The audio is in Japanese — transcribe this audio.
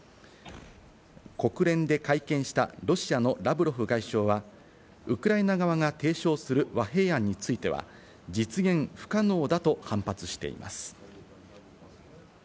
国連で会見したロシアのラブロフ外相は、ウクライナ側が提唱する和平案については実現不可能だと反発しています。